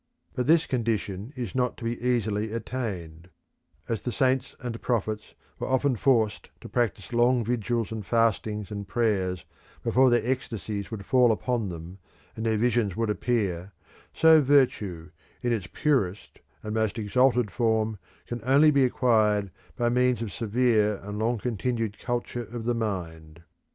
But this condition is not to be easily attained; as the saints and prophets were often forced to practise long vigils and fastings and prayers before their ecstasies would fall upon them and their visions would appear, so Virtue in its purest and most exalted form can only be acquired by means of severe and long continued culture of the mind.